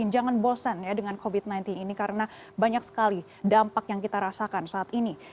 jangan bosan ya dengan covid sembilan belas ini karena banyak sekali dampak yang kita rasakan saat ini